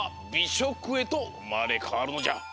しょくへとうまれかわるのじゃ。